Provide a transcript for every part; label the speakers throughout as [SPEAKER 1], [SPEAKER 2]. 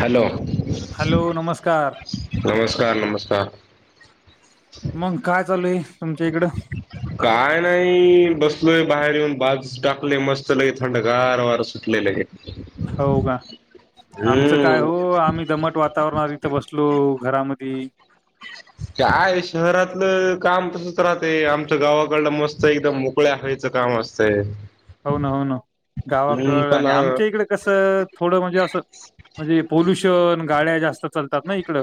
[SPEAKER 1] Hello
[SPEAKER 2] hello नमस्कार
[SPEAKER 1] नमस्कार नमस्कार
[SPEAKER 2] मग काय चालू आहे तुमच्या इकडं?
[SPEAKER 1] काय नाही बसलोय बाहेर येऊन बाज टाकले मस्त लगे थंड गार वार सु सुटलेलं हे.
[SPEAKER 2] हो का आमचं काय
[SPEAKER 1] हम्म
[SPEAKER 2] हो आम्ही दमट वातावरणात इथं बसलो. घरामध्ये
[SPEAKER 1] काय शहरातलं काम तसच राहते. आमच गावाकडलं मस्त एकदम [unintelligible]
[SPEAKER 2] हो ना हो ना
[SPEAKER 1] हम्म
[SPEAKER 2] गावाकड
[SPEAKER 1] पण
[SPEAKER 2] आणि आमच्या
[SPEAKER 1] हम्म
[SPEAKER 2] इकडे कस थोडं म्हणजे असं म्हणजे, पोल्युशन गाड्या जास्त चालतात. ना इकड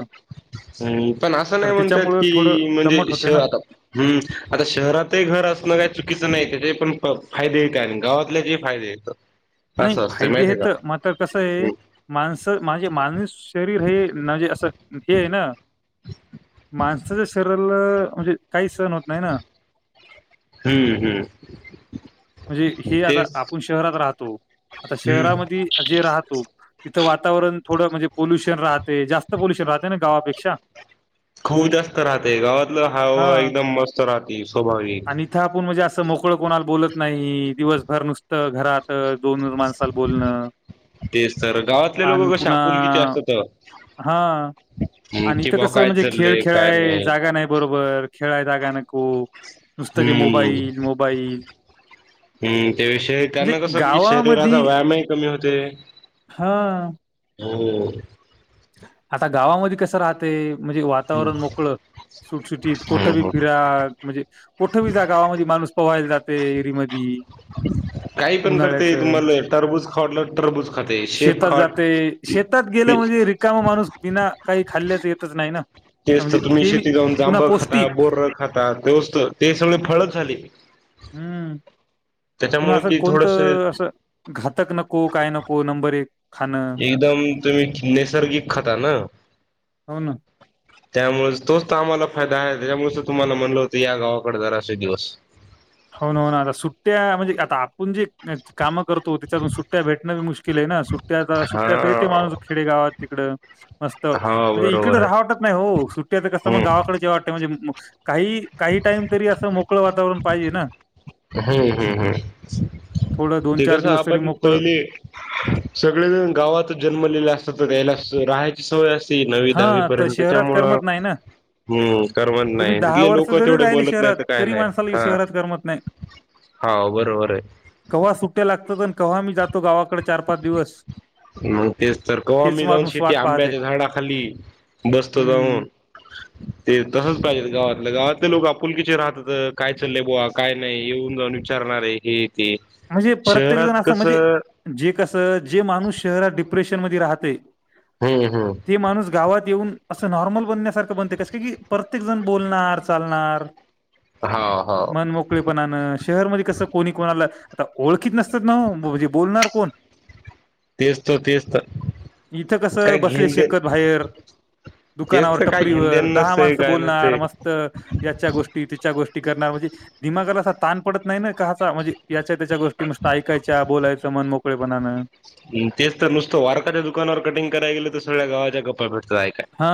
[SPEAKER 1] हम् पण असं नाही म्हणतात.
[SPEAKER 2] थोडं
[SPEAKER 1] कि म्हणजे
[SPEAKER 2] दमट होते
[SPEAKER 1] शहर
[SPEAKER 2] ना
[SPEAKER 1] आता हम् आता शहरातही घर असणं. काही चुकीचं नाही त्याचे पण फायदे येत आणि गावातल्याचे फायदे येत. [unintelligible]
[SPEAKER 2] नाही
[SPEAKER 1] असतं
[SPEAKER 2] फायदे
[SPEAKER 1] माहिती
[SPEAKER 2] हे
[SPEAKER 1] आहे का
[SPEAKER 2] तर मात्र कसं आहे.
[SPEAKER 1] हम्म
[SPEAKER 2] माणस माझे माणूस शरीर हे म्हणजे असं. हे आहे ना माणसाच्या शरीराला म्हणजे काही सण होत नाही. ना
[SPEAKER 1] हम्म हम्म.
[SPEAKER 2] म्हणजे हे, आता
[SPEAKER 1] तेच
[SPEAKER 2] आपण शहरात राहतो. आता
[SPEAKER 1] हम्म
[SPEAKER 2] शहरामध्ये जे राहतो. तिथं वातावरण थोडं म्हणजे पोल्युशन राहते जास्त पोल्युशन राहते. ना गावापेक्षा
[SPEAKER 1] खूप जास्त राहते गावातलं हवा एकदम मस्त राहते. स्वाभाविक
[SPEAKER 2] तिथे आपण म्हणजे असं मोकळं कोणाला बोलत नाही. दिवसभर नुसतं घरात दोन माणसाला बोलणं
[SPEAKER 1] तेच तर गावातले
[SPEAKER 2] आणि
[SPEAKER 1] लोक कसे
[SPEAKER 2] पुन्हा
[SPEAKER 1] आपुलकीचे असतात
[SPEAKER 2] हा आणि
[SPEAKER 1] कि
[SPEAKER 2] इथं
[SPEAKER 1] बा
[SPEAKER 2] कसं
[SPEAKER 1] काय
[SPEAKER 2] म्हणजे खेळ
[SPEAKER 1] चाललंय काय
[SPEAKER 2] खेळाय जागा नाही. बरोबर खेळाय जागा नको नुसत ते मोबाईल मोबाईल
[SPEAKER 1] हम् त्याषय
[SPEAKER 2] म्हणजे
[SPEAKER 1] त्यांना कसं हो क शरीराचा
[SPEAKER 2] गावामध्ये
[SPEAKER 1] व्यायामही कमी होते.
[SPEAKER 2] हा
[SPEAKER 1] हम्म
[SPEAKER 2] आता गावामध्ये कसं राहते म्हणजे, वातावरण मोकळ सुटसुटीत कोठं बी
[SPEAKER 1] हम्म
[SPEAKER 2] फिरा म्हणजे कुठे भी जा गावामध्ये माणूस पोहायला जाते. विहिरीमध्ये
[SPEAKER 1] [unintelligible] काही पण करते. तुम्हाला टरबूज खाऊ वाटलं टरबूज खाते शेप
[SPEAKER 2] शेतात
[SPEAKER 1] खाट
[SPEAKER 2] जाते शेतात गेलं म्हणजे रिकामा माणूस बिना काही खाल्ल्याच येतच नाही. ना
[SPEAKER 1] तेच तर
[SPEAKER 2] म्हणजे
[SPEAKER 1] तुम्ही
[SPEAKER 2] ते बी
[SPEAKER 1] शेती जाऊन
[SPEAKER 2] पुन्हा
[SPEAKER 1] जांभळ खाता
[SPEAKER 2] पौष्टिक
[SPEAKER 1] बोर्र खाता तेच ते सगळे फळच झाले.
[SPEAKER 2] हम्म पण
[SPEAKER 1] त्याच्यामुळे
[SPEAKER 2] असं
[SPEAKER 1] कि थोडस
[SPEAKER 2] कोणतं असं घातक नको काय नको नंबर एक खाणं
[SPEAKER 1] एकदम तुम्ही नैसर्गिक खाता ना
[SPEAKER 2] हो ना.
[SPEAKER 1] त्यामुळे तोच तर आम्हाला फायदा आहे. त्याच्यामुळे तर तुम्हाला म्हटलं होतं. या गावाकडे जरा असे एक दिवस
[SPEAKER 2] हो ना हो ना आता सुट्ट्या म्हणजे, आता आपण जे काम करतो त्याच्यातून सुट्ट्या भेटण मुश्कल आहे ना
[SPEAKER 1] हा
[SPEAKER 2] सुट्टयाच येते माणूस खेडे गावात तिकडं मस्त
[SPEAKER 1] हा
[SPEAKER 2] म्हणजे,
[SPEAKER 1] बरोबर
[SPEAKER 2] इकडें
[SPEAKER 1] आहे.
[SPEAKER 2] राहावं वाटत नाही. ओ सुट्टीत कसं मग
[SPEAKER 1] हम्म
[SPEAKER 2] गावाकडे जे वाटतं म्हणजे काही काही टाईम तरी असं मोकळ वातावरण पाहिजे. ना
[SPEAKER 1] हम हम हम
[SPEAKER 2] थोडं
[SPEAKER 1] ते कसं
[SPEAKER 2] दिवस तरी
[SPEAKER 1] आपण
[SPEAKER 2] मोकळं
[SPEAKER 1] पहिले सगळेजण गावात जन्मलेले असतात. यायला राहायच सोय असती नववी दहावी
[SPEAKER 2] हां, तर
[SPEAKER 1] पर्यंत
[SPEAKER 2] शहरात
[SPEAKER 1] त्याच्यामुळं
[SPEAKER 2] करमत नाही ना.
[SPEAKER 1] हम्म करमत
[SPEAKER 2] तुम्ही
[SPEAKER 1] नाही. तिथले
[SPEAKER 2] वर्ष
[SPEAKER 1] लोक
[SPEAKER 2] जरी
[SPEAKER 1] तेवढे
[SPEAKER 2] राहिले
[SPEAKER 1] बोलत नाही.
[SPEAKER 2] शहरात,
[SPEAKER 1] तर काय
[SPEAKER 2] तरी
[SPEAKER 1] नाही
[SPEAKER 2] माणसाला
[SPEAKER 1] हा
[SPEAKER 2] शहरात करमत नाही.
[SPEAKER 1] हा बरोबर आहे
[SPEAKER 2] कव्हा सुट्ट्या लागतात आणि कवा्हा मी जातो गावाकडे चार पाच दिवस
[SPEAKER 1] मग तेच तर
[SPEAKER 2] हेच
[SPEAKER 1] कवामीी जाऊन
[SPEAKER 2] माणूस
[SPEAKER 1] शेती
[SPEAKER 2] वाट पाहते.
[SPEAKER 1] आंब्याच्या झाडाखाली बसतो
[SPEAKER 2] हं.
[SPEAKER 1] जाऊन [unintelligible] ते तसंच पाहिजे गावातलं गावातले लोक आपुलकीचे राहतात काय चाललंय भावा काय नाही. येऊन जाऊन विचारणारे हेते
[SPEAKER 2] म्हणजे प्रत्येक जण असं म्हणजे, जे कसं जे माणूस शहरात डिप्रेशन मध्ये राहते.
[SPEAKER 1] हम्म हम्म
[SPEAKER 2] हे माणूस गावात येऊन असं नॉर्मल बनण्यासारखं बनते कस का की प्रत्येक जण बोलणार चालणार
[SPEAKER 1] हा होा
[SPEAKER 2] मन मोकळेपणान शहरमध्ये कसं कोणी कोणाला आता ओळखीत नसतात ना म्हणजे बोलणार कोण
[SPEAKER 1] तेच तर तेच तर
[SPEAKER 2] इथं कसं
[SPEAKER 1] काय
[SPEAKER 2] बसले
[SPEAKER 1] घेण देण
[SPEAKER 2] शेकत बाहेर
[SPEAKER 1] तेच
[SPEAKER 2] दुकानावर
[SPEAKER 1] तर काय घेण
[SPEAKER 2] टपरीवर
[SPEAKER 1] देण
[SPEAKER 2] दहा
[SPEAKER 1] नसतंय
[SPEAKER 2] माणसं
[SPEAKER 1] काय
[SPEAKER 2] बोलणार
[SPEAKER 1] नसतंय
[SPEAKER 2] मस्त याच्या गोष्टी त्याच्या गोष्टी करणार म्हणजे दिमागाला अस ताण पडत नाही ना कचा म्हणजे याच्या त्याच्या गोष्टी मस्त ऐकायच्या बोलायचं मन मोकळेपणानं
[SPEAKER 1] तेच तर नुसतं वारकाच्या दुकानावर कटिंग कराय गेलं तर सगळ्या गावाच्यापपा भेटत आहे
[SPEAKER 2] हा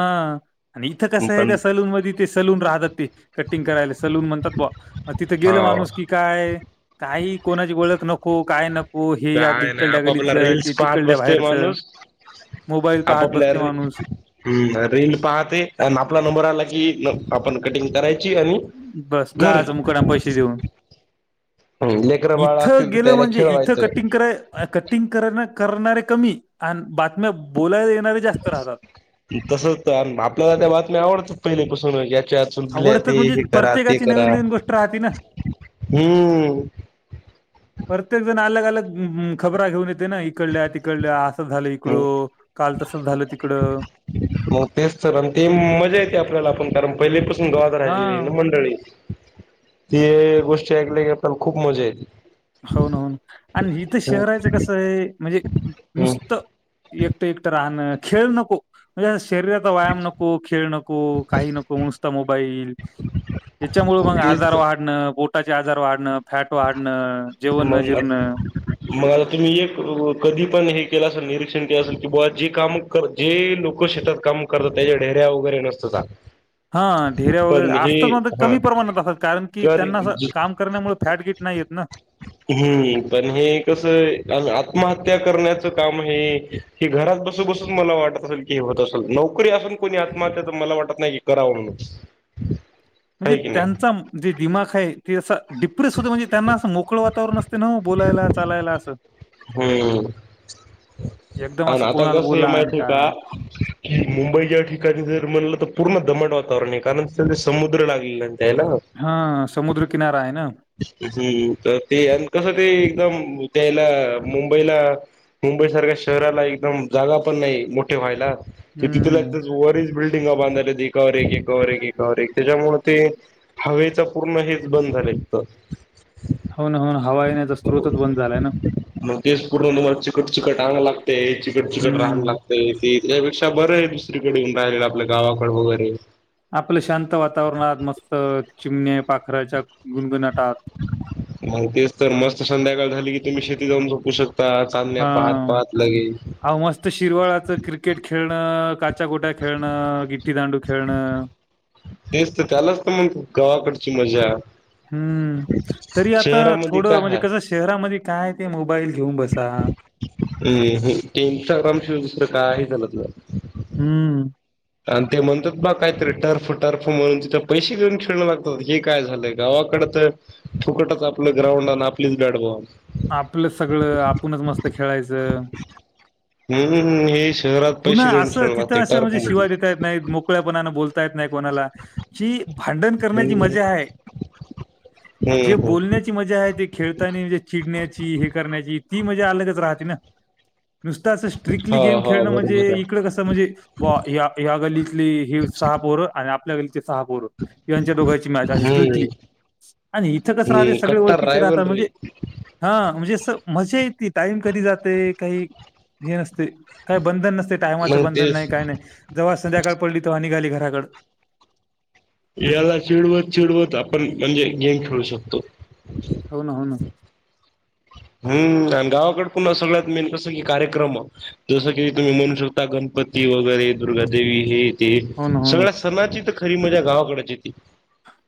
[SPEAKER 2] आणि इथं कसं आहे त्या सलून मध्ये ते सलून राहतात ते कटिंग करायला सलून म्हणतात ब मग तिथं गेलं
[SPEAKER 1] हाव
[SPEAKER 2] माणूस की काय काही कोणाची ओळख नको काय नक हो हे या
[SPEAKER 1] काय नाही
[SPEAKER 2] इकडल्या्या
[SPEAKER 1] आपापला
[SPEAKER 2] गल्लीतलं
[SPEAKER 1] रील्स
[SPEAKER 2] ते
[SPEAKER 1] पाहत
[SPEAKER 2] तिकडल्या
[SPEAKER 1] बसतोय
[SPEAKER 2] बाहेरच
[SPEAKER 1] माणूस
[SPEAKER 2] मोबाईल पाहत बसते माणूस
[SPEAKER 1] ह् रेल पाहते आणि आपला नंबर आला की आपण कटिंग करायची आणि
[SPEAKER 2] बस
[SPEAKER 1] घरी
[SPEAKER 2] जाचं मुकडना पैसे देऊन
[SPEAKER 1] लेकरं बाळ
[SPEAKER 2] इथं
[SPEAKER 1] असतील तर
[SPEAKER 2] गेलं
[SPEAKER 1] त्याला
[SPEAKER 2] म्हणजे इथं
[SPEAKER 1] खेळवायचं.
[SPEAKER 2] कटिंग कराय कटिंग कर करणारे कमी आणि बातम्या बोलायला येणारे जास्त राहतात
[SPEAKER 1] तस तर आपल्याला त्या बातम्या आवडतात पहिलेपासून याच्यात सुधल्या
[SPEAKER 2] आवडतात
[SPEAKER 1] ते
[SPEAKER 2] म्हणजे
[SPEAKER 1] हे करा ते
[SPEAKER 2] प्रत्येकाची
[SPEAKER 1] करा
[SPEAKER 2] नवीन-नवीन गोष्ट राहते ना.
[SPEAKER 1] हम्म
[SPEAKER 2] प्रत्येक जण अलग अलग खबरा घेऊन येते ना इकडल्या तिकडल्या झालं इकडं काल तसं झालं तिकड
[SPEAKER 1] मग तेच तर आणि ते मजा येते आपल्याला पण कारण पहिलीपासून गवाद राहिलेली
[SPEAKER 2] हां.
[SPEAKER 1] ना मंडळी ती गोष्टी ऐकल्या क आपल्याला खूप मजा येते
[SPEAKER 2] होन होन आणि इथं
[SPEAKER 1] हम्म
[SPEAKER 2] शहरायचं कसं आहे म्हणजे नुसतं एकटं एकटं राहणं खेळ नको म्हणजे शरीरात व्यायाम नको खेळ नको काही नको नसता मोबाईल त्याच्यामुळ मग आजार
[SPEAKER 1] तेच
[SPEAKER 2] वाढणं बोटाचे आजार वाढणं फॅट वाढणं जेवण
[SPEAKER 1] म
[SPEAKER 2] न जीर्ण.
[SPEAKER 1] मग आ तुम्ही एक कधी पण हे केलं असेल निरीक्षण केलं असेल की बा जे काम जे लोक शेतात काम करतात त्याच्या ढडेऱ्या वगैरे नसत का
[SPEAKER 2] हा ढेऱ्या वगैरे असतच कमी प्रमाणात असात कारण की
[SPEAKER 1] तर
[SPEAKER 2] त्यांना काम करण्यामुळे फॅट किट नाही येत ना
[SPEAKER 1] हम्म पण हे कसं आत्महत्या करण्याचं काम हे की घरात बसू बसून मला वाटत असेल की हे होत असेल नोकरी असून कोणी आत्महत्या तर मला वाटत नाही की करा म्हणून हम्म
[SPEAKER 2] म्हणजे त्यांचा जे दिमाग आहे ती असं डिप्रेस होते म्हणजे त्यांना असं मोकळं वातावरण असते ना बोलायला चालायला असं
[SPEAKER 1] हम्म
[SPEAKER 2] एकदम
[SPEAKER 1] आणि
[SPEAKER 2] असं
[SPEAKER 1] आता
[SPEAKER 2] कोणाला
[SPEAKER 1] कस हे
[SPEAKER 2] बोला आणि
[SPEAKER 1] माहती आहे
[SPEAKER 2] काय.
[SPEAKER 1] का की मुंबईच्या ठिकाणी जर म्हणलं तर पूर्ण दधमाट वातावरण आहे कारण ज समुद्र लागलेलं त्यायला
[SPEAKER 2] हा समुद्रकिनारा आहे ना
[SPEAKER 1] हम्म तर ते कसं ते एकदम त्याला मुंबईला मुंबई सारख्या शहराला एकदम जागा पण नाही मोठे व्हायला ते तिथे
[SPEAKER 2] हं.
[SPEAKER 1] वरच बिल्डिंग बांधाल्या एकावर एक एकावर एक र त्याच्यामुळे ते हवेचा पूर्ण हेच बंद झालं
[SPEAKER 2] होन होन हवा येण्याचा स््रोच बंद झालाय ना
[SPEAKER 1] मग तेच पूर्णला चिकट चखट रांग लागते चिकट चिकट रांग
[SPEAKER 2] हं.
[SPEAKER 1] लागते ते त त्यापेक्षा बरं आहे दुसरीकडे येऊन राहिल आपल्या गावाकडे वगैरे
[SPEAKER 2] आपलं शांत वातावरणात मस्त चिमणे पाखराच्या गुणगुनाटात
[SPEAKER 1] माहितीच तर मस्त संध्याकाळ झाली की तुम्ही शेती जाऊन झोपू शकता सामण्या पाात पाहात लगे
[SPEAKER 2] अ मस्त शिरवाळाच क्रिकेट खेळणं काचा गोट्या खेळणं गिट्टी दांडू खेळणं
[SPEAKER 1] तेच तर त्यालाच तर म्हग गावाकडची मजा
[SPEAKER 2] हम्म तरी आता
[SPEAKER 1] शहरामध्ये
[SPEAKER 2] थोडं
[SPEAKER 1] काय
[SPEAKER 2] म्हणजे
[SPEAKER 1] आहे
[SPEAKER 2] कसं शहरामध्ये काय ते मोबाईल घेऊन बसा
[SPEAKER 1] हम ते इंस्टाग्राम शिवाय दुसरं का हे झाल तुला
[SPEAKER 2] हम्म
[SPEAKER 1] आणि ते म्हणतात बा काहीतरी टर्फ टर्फ म्हणून तिथ पैसे घेऊन खेळणं लागतात हे काय झालंय गावाकडे तर फुकटच आपलं ग्राउंड आणि आपलीच बॅड बवन
[SPEAKER 2] आपलं सगळं आपणच मस्त खेळायचं
[SPEAKER 1] हम्मम हे शहरात पैसे
[SPEAKER 2] पुन्हा
[SPEAKER 1] देऊन श राहते टर्प मध
[SPEAKER 2] मोकळ्यापणान बोलता येत नाही कोणाला जी भांडण करण्याची
[SPEAKER 1] हम्म
[SPEAKER 2] मजा हाय. जे
[SPEAKER 1] हम्म
[SPEAKER 2] बोलण्याची मजा हाय ती खेळताना म्हणजे, चिडण्याची हे करण्याची. ती मजा अलगच राहते ना. नुसतं असं, स्ट्रिक्टली
[SPEAKER 1] हा
[SPEAKER 2] गेम
[SPEAKER 1] हा
[SPEAKER 2] खेळणं म्हण ते
[SPEAKER 1] बरोबर
[SPEAKER 2] म्हणजे
[SPEAKER 1] आहे
[SPEAKER 2] इकडं कसं म्हणजे, बुवा या - या गलीतले हे सहा पोरं आणि आपल्या गलीचे सहा पोरं. यांच्या दोघाची मॅच अशी
[SPEAKER 1] हम्म
[SPEAKER 2] स्ट्रिकटली. आणि इथं कसं राहते
[SPEAKER 1] हम्म
[SPEAKER 2] सगळे
[SPEAKER 1] कट्टर
[SPEAKER 2] ओळखीचे
[SPEAKER 1] रायवल
[SPEAKER 2] राहतात.
[SPEAKER 1] रे
[SPEAKER 2] म्हणजे हा म्हणजे असं मजा येती. टाईम कधी जातय. काही हे नसतय. काय बंधन नस टायमाचं
[SPEAKER 1] मग
[SPEAKER 2] बंधन
[SPEAKER 1] तेच
[SPEAKER 2] नाही, काय नाही. जेव्हा संध्याकाळ पडली तेव्हा निघाली घराकड.
[SPEAKER 1] याला चिडवत- चिडवत आपण म्हणजे, गेम खेळू शकतो.
[SPEAKER 2] हो, न. हो, न.
[SPEAKER 1] हम्म आणि गावाकडे पुन्हा सगळ्यात मेन कसं की, कार्यक्रमं जसं की तुम्ही म्हणू शकता. गणपती वगैरे दुर्गादेवी हे.
[SPEAKER 2] हो ना
[SPEAKER 1] ती.
[SPEAKER 2] हो ना
[SPEAKER 1] सगळ्या सणाची तर खरी मजा गावाकडची येती.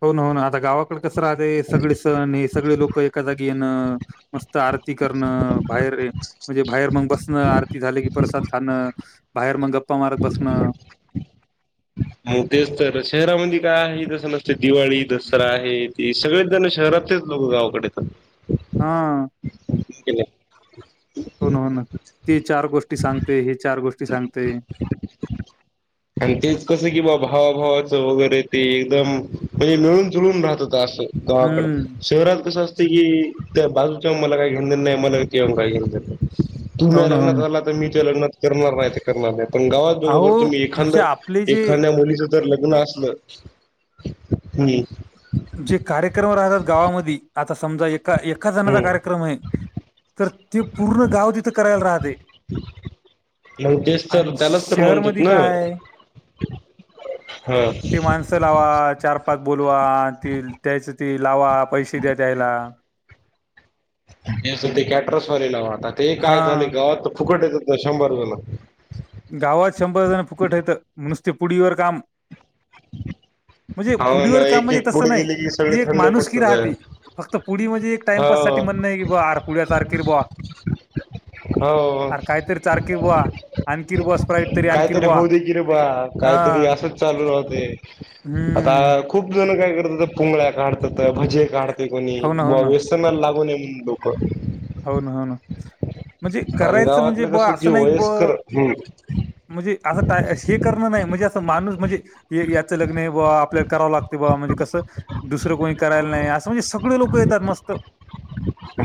[SPEAKER 2] हो न, हो, ना. आता गावाकडे कसं राहते सगळे सण. सगळे लोक एका जागी येणं. मस्त आरती करणं. बाहेर म्हणजे बाहेर मग बसणं. आरती झाली की प्रसाद खाणं. बाहेर मग गप्पा मारत बसणं.
[SPEAKER 1] मग तेच तर. शहरामध्ये काय आहे जसं नसत. दिवाळी, दसरा हे ती. सगळेच जण शहरातलेच लोक गावाकडे येतात.
[SPEAKER 2] हा.
[SPEAKER 1] [unintelligible]
[SPEAKER 2] हो, ना. हो, ना. ती चार गोष्टी सांगतय. ही चार गोष्टी सांगतय.
[SPEAKER 1] [inaudible] अन् तेच कसं कि बा भावाभावाचं वगैरे ते एकदम, म्हणजे मिळून - जुळून राहतात. असं. गाव.
[SPEAKER 2] हम्म
[SPEAKER 1] शहरात कसं अस त की, त्या बाजूच्या मला काही घेण देणं नाही. मला तुझ्याहून काही घे नाही. तु
[SPEAKER 2] हो
[SPEAKER 1] माह्या
[SPEAKER 2] ना हो
[SPEAKER 1] लग्नात
[SPEAKER 2] ना
[SPEAKER 1] आला मी तुह्या लग्नात करणार. नाही ते करणार नाही. पण गावात बघा
[SPEAKER 2] अहो
[SPEAKER 1] बरं तुम्ही एखांद
[SPEAKER 2] म्हणजे आपले
[SPEAKER 1] -
[SPEAKER 2] जे
[SPEAKER 1] एखाद्या मुलीच जर लग्न असलं. हम्.
[SPEAKER 2] जे कार्य क्रम राहतात, गावामधी. आता समजा एका - एक एका जणाचा
[SPEAKER 1] हम्म
[SPEAKER 2] कार्यक्रम आहे. तर ते पूर्ण गाव तिथं करायला राहते.
[SPEAKER 1] मग तेच तर.
[SPEAKER 2] आणि
[SPEAKER 1] त्यालाच तर म्हणतेत
[SPEAKER 2] शहरमध्ये
[SPEAKER 1] न
[SPEAKER 2] काय आहे,
[SPEAKER 1] हा. [inaudible]
[SPEAKER 2] च लावा. चार- पाच बोलवा. त त्यायच ती लावा. पैसे द्या त्यायला.
[SPEAKER 1] ते अस ते कॅट्रसवाले लावा. आता ते
[SPEAKER 2] हा
[SPEAKER 1] काय झाले गावात फुकट येतच ना शंभरजणं.
[SPEAKER 2] गावात शंभर जण फुकट येतं. नुसते पुडीवर काम. म्हणजे
[SPEAKER 1] ह ना
[SPEAKER 2] पुडीवर काम
[SPEAKER 1] एक-
[SPEAKER 2] म्हणजे
[SPEAKER 1] एक
[SPEAKER 2] तसं
[SPEAKER 1] पुडी
[SPEAKER 2] नाही
[SPEAKER 1] दिली की, सगळे
[SPEAKER 2] ती एक
[SPEAKER 1] थंड
[SPEAKER 2] माणुसकी
[SPEAKER 1] पडत जाय.
[SPEAKER 2] राहते फक्त पुडी म्हणजे एक टाइमपाससाठी म्हणणं की, बा आर पुड्या चार की र बुवा.
[SPEAKER 1] हो.
[SPEAKER 2] चारकी र बुवा. आण कीर बुवा बस.
[SPEAKER 1] काहीतरी होऊ दे की रे बा.
[SPEAKER 2] हा
[SPEAKER 1] काहीतरी असंच चालू राहते. आता
[SPEAKER 2] हम्म
[SPEAKER 1] खूप जण काय करतात. पुंगळ्या काढतात. भजे काढतय कोणी.
[SPEAKER 2] हो ना, हो
[SPEAKER 1] बा
[SPEAKER 2] ना.
[SPEAKER 1] कोणाला लागू नये म्हणून डोकं.
[SPEAKER 2] हो, ना. हो, ना. म्हणजे,
[SPEAKER 1] आणि
[SPEAKER 2] करायचं म्हणजे
[SPEAKER 1] गावातलं
[SPEAKER 2] ब
[SPEAKER 1] कसं जे
[SPEAKER 2] असं नाही ब
[SPEAKER 1] वयस्कर हम्म
[SPEAKER 2] म्हणजे असं टा हे करणं नाही. म्हणजे असं माणूस म्हणजे याच लग्न हे बा. आपल्याला करावं लागते बा. म्हणजे कसं, दुसरं कोणी करायला नाही, अस. म्हणजे सगळे लोकं येतात. मस्त.
[SPEAKER 1] हम,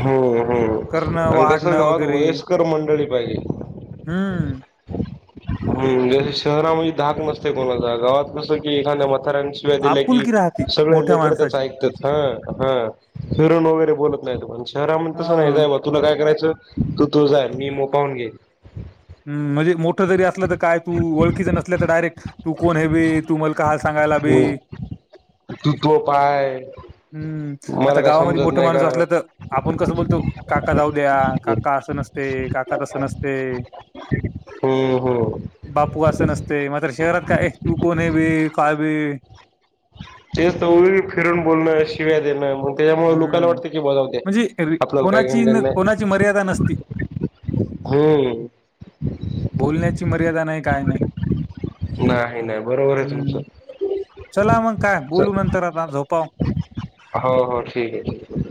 [SPEAKER 2] करणं,
[SPEAKER 1] ह्म्म. आणि कसं,
[SPEAKER 2] वाढणं
[SPEAKER 1] गावात वयस्कर मंडळी पाहिजे.
[SPEAKER 2] हम्म.
[SPEAKER 1] हम्म. जसं शहरामध्ये धाक नसतय कोणाचा. गावात कसं की, एखाद्या म्हाताऱ्यान शिव्या दिला की
[SPEAKER 2] आपुलकी राहते
[SPEAKER 1] सगळे
[SPEAKER 2] मोठ्या
[SPEAKER 1] लेकर त्याच
[SPEAKER 2] माणसाची.
[SPEAKER 1] ऐकतात हा हा. फिरून वगैरे बोलत नाही पण शहरामध्ये तसं नाही
[SPEAKER 2] हां.
[SPEAKER 1] जाय म तुला काय करायचं तू तू जा मी माझं पाहून घेईल.
[SPEAKER 2] ह म्हणजे मोठं जरी असलं तर काय तू ओळखीच नसल्या तर डायरेक्ट तू कोण हवे तू मला का सांगायला बे
[SPEAKER 1] हम्म तू तुय पाय.
[SPEAKER 2] हम्म आता
[SPEAKER 1] मला काय
[SPEAKER 2] गावामध्ये
[SPEAKER 1] समजत
[SPEAKER 2] मोठ
[SPEAKER 1] नाही
[SPEAKER 2] माणूस
[SPEAKER 1] का
[SPEAKER 2] असला तर आपण कसं बोलतो काका जाऊ द्या काका असं नसते काका तसं नसते.
[SPEAKER 1] हम्म हम्म
[SPEAKER 2] बापू असं नसते. मात्र शहरात काय तू कोणी बे काय बे
[SPEAKER 1] तेच तर फिरून बोलणं शिवाय देणं मग त्याच्यामुळे लोकाला
[SPEAKER 2] हम्म.
[SPEAKER 1] वाटते की जाऊद्या
[SPEAKER 2] म्हणजे रि
[SPEAKER 1] आपल्याला काय
[SPEAKER 2] कोणाची
[SPEAKER 1] घे
[SPEAKER 2] न
[SPEAKER 1] नाही.
[SPEAKER 2] कोणाची मर्यादा नसती.
[SPEAKER 1] हम्म
[SPEAKER 2] बोलण्याची मर्यादा नाही, काय नाही.
[SPEAKER 1] नाही नाही बरोबर आहे तुमचं.
[SPEAKER 2] हम्म. चला मग काय बोलू नंतर आता झोपाव.
[SPEAKER 1] हो हो ठीक आहे.